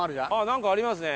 なんかありますね。